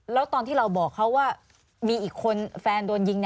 แล้วตอนที่เราบอกเขาว่ามีอีกคนแฟนโดนยิง